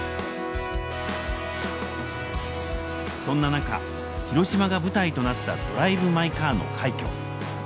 そんな中広島が舞台となった「ドライブ・マイ・カー」の快挙。